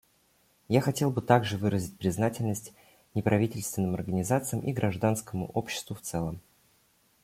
Я хотел бы также выразить признательность неправительственным организациям и гражданскому обществу в целом.